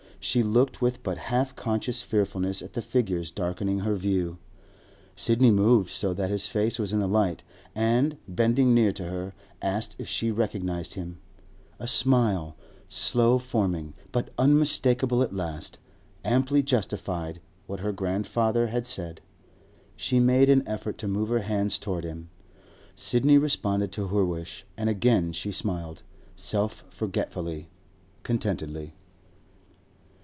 She looked with but half conscious fearfulness at the figures darkening her view. Sidney moved so that his face was in the light, and, bending near to her, asked if she recognised him. A smile—slow forming, but unmistakable at last—amply justified what her grandfather had said. She made an effort to move her hand towards him. Sidney responded to her wish, and again she smiled, self forgetfully, contentedly.